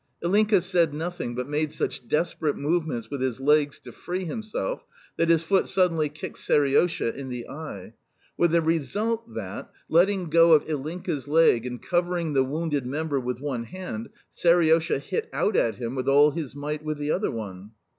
Ilinka said nothing, but made such desperate movements with his legs to free himself that his foot suddenly kicked Seriosha in the eye: with the result that, letting go of Ilinka's leg and covering the wounded member with one hand, Seriosha hit out at him with all his might with the other one.